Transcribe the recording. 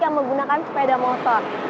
yang menggunakan sepeda motor